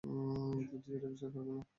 যদিও এটা বিশ্বাস করবে না।